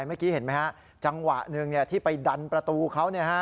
เมื่อกี้เห็นไหมฮะจังหวะหนึ่งที่ไปดันประตูเขา